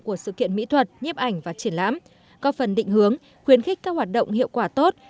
của sự kiện mỹ thuật nhếp ảnh và triển lãm có phần định hướng khuyến khích các hoạt động hiệu quả tốt